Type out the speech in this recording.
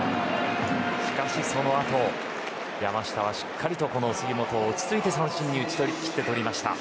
しかし、そのあと山下はしっかり杉本を落ち着いて三振に切って取りました。